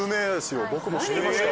僕も知ってました。